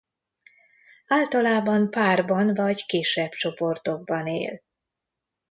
Általában párban vagy kisebb csoportokban él.